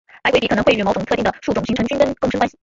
白鬼笔可能会与某些特定的树种形成菌根共生关系。